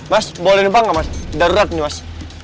mas boleh tumpang gak mas deret nih mas